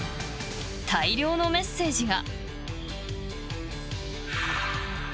大量のメッセージが。